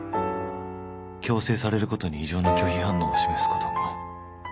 強制されることに異常な拒否反応を示すことも。